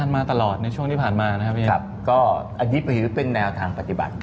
มาตลอดในช่วงที่ผ่านมานะครับอันนี้เป็นแนวทางปฏิบัติ